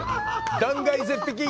断崖絶壁！